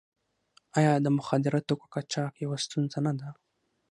آیا د مخدره توکو قاچاق یوه ستونزه نه ده؟